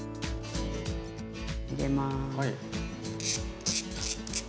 入れます。